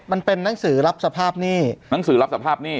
มันเป็นหนังสือรับสภาพหนี้หนังสือรับสภาพหนี้